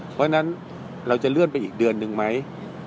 เพราะฉะนั้นเราจะเลื่อนไปอีกเดือนหนึ่งไหม